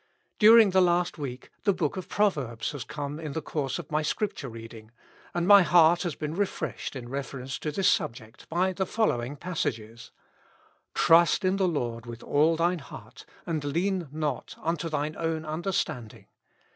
During the last week the book of Proverbs has come in the course of my Scripture reading, and my heart has been refreshed in reference to this subject by the following passages :* Trust in the Lord with all thine heart ; and lean not unto thine own understanding.